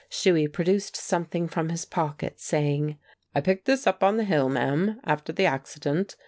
Shuey produced something from his pocket, saying: "I picked this up on the hill, ma'am, after the accident.